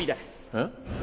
えっ？